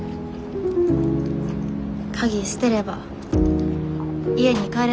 鍵捨てれば家に帰れなくなる。